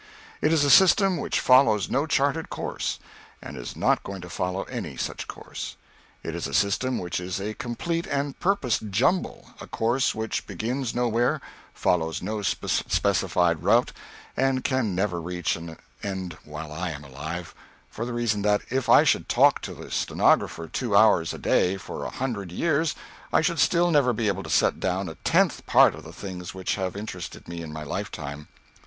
It is a system which follows no charted course and is not going to follow any such course. It is a system which is a complete and purposed jumble a course which begins nowhere, follows no specified route, and can never reach an end while I am alive, for the reason that, if I should talk to the stenographer two hours a day for a hundred years, I should still never be able to set down a tenth part of the things which have interested me in my lifetime.